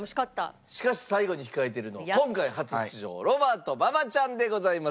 しかし最後に控えてるのは今回初出場ロバート馬場ちゃんでございます。